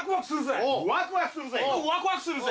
ワクワクするぜ。